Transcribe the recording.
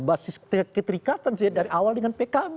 basis keterikatan sih dari awal dengan pkb